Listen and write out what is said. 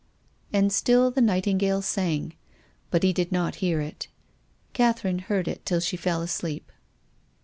And still the nightingale sang. But he did not hear it. Catherine heard it till she fell asleep.